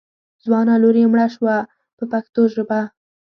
ځوانه لور یې مړه شوه په پښتو ژبه.